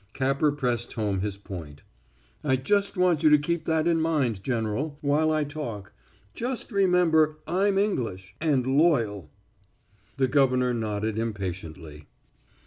Capper pressed home his point. "I just want you to keep that in mind, General, while I talk. Just remember I'm English and loyal." The governor nodded impatiently.